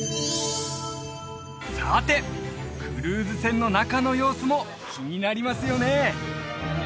さてクルーズ船の中の様子も気になりますよね！